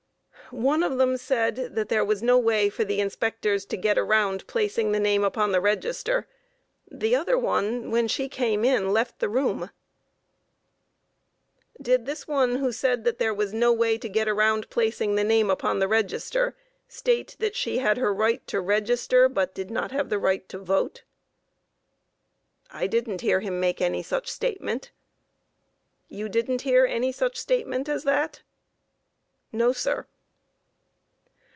A. One of them said that there was no way for the inspectors to get around placing the name upon the register; the other one, when she came in, left the room. Q. Did this one who said that there was no way to get around placing the name upon the register, state that she had her right to register but did not have the right to vote? A. I didn't hear him make any such statement. Q. You didn't hear any such statement as that? A. No, sir.